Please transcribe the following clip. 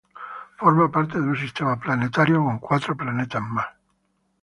Forma parte de un sistema planetario con cuatro planetas más.